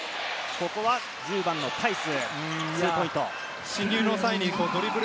ここは１０番のタイス。